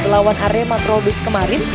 melawan arema trobos kemarin